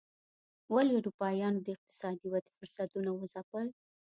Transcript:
ولې اروپایانو د اقتصادي ودې فرصتونه وځپل.